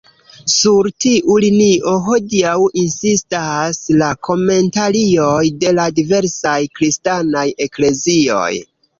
Sur tiu linio hodiaŭ insistas la komentarioj de la diversaj kristanaj eklezioj.